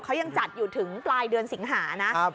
เขายังจัดอยู่ถึงปลายเดือนสิงหานะ